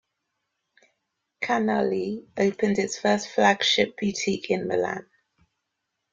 Canali opened its first flagship boutique in Milan.